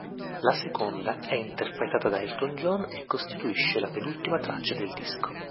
La seconda è interpretata da Elton John e costituisce la penultima traccia del disco.